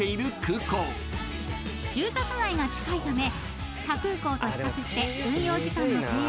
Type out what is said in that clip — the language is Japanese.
［住宅街が近いため他空港と比較して］